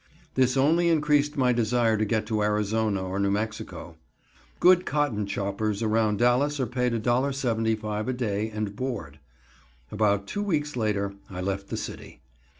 This only increased my desire to get to Arizona or New Mexico. Good cotton choppers around Dallas are paid $1.75 per day and board. About two weeks later I left the city.